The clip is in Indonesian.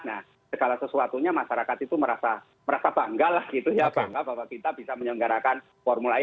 nah segala sesuatunya masyarakat itu merasa bangga lah gitu ya bangga bahwa kita bisa menyelenggarakan formula e